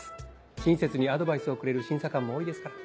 親切にアドバイスをくれる審査官も多いですから。